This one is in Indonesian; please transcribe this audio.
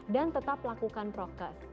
dan tetap lakukan prokes